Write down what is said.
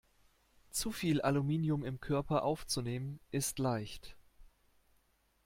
Zu viel Aluminium im Körper aufzunehmen, ist leicht.